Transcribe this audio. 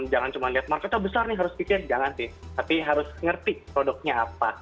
jangan cuma lihat marketnya besar nih harus pikir jangan sih tapi harus ngerti produknya apa